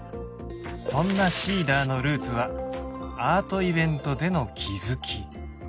そんなＳｅｅｄｅｒのルーツはアートイベントでの気づき